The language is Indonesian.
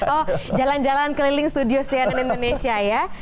oh jalan jalan keliling studio cnn indonesia ya